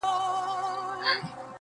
o گاهي ادې لاندي، گاهي بابا.